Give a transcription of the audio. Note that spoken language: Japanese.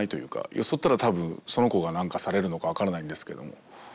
よそったら多分その子が何かされるのか分からないんですけども。